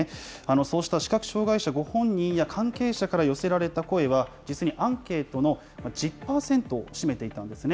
そうした視覚障害者ご本人や関係者から寄せられた声は、実にアンケートの１０％を占めてたんですね。